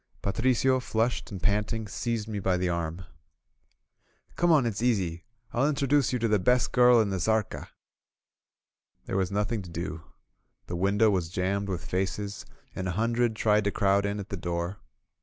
Patricio, flushed and panting, seized me by the arm. 47 INSURGENT MEXICO Come on, it's easy! Pll introduce you to the best girl in the Zarca!" There was nothing to do. The window was jammed with faces, and a hundred tried to crowd in at the door.